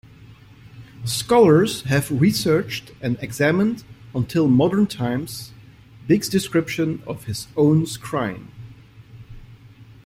Scholars have researched and examined, until modern times, Byg's description of his own scrying.